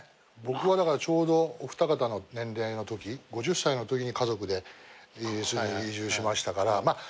僕はだからちょうどお二方の年齢のとき５０歳のときに家族でイギリスに移住しましたから。